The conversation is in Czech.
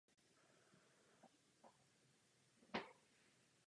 Rada ministrů se soustředí na flexibilitu.